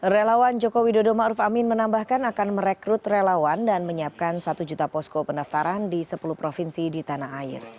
relawan joko widodo ma'ruf amin menambahkan akan merekrut relawan dan menyiapkan satu juta posko pendaftaran di sepuluh provinsi di tanah air